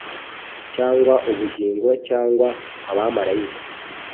cyangwa ubugingo, cyangwa abamalayika,